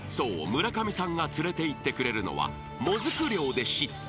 村上さんが連れていってくれるのはもずく漁で知った］